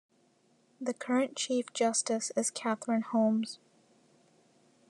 The current chief justice is Catherine Holmes.